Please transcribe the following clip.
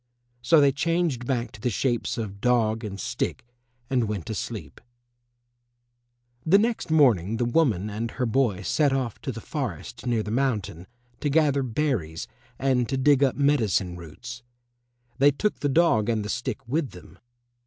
So they changed back to the shapes of dog and stick and went to sleep. The next morning the woman and her boy set off to the forest near the mountain, to gather berries and to dig up medicine roots. They took the dog and the stick with them.